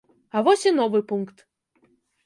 А вось і новы пункт.